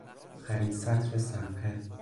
آخرین سطر صفحه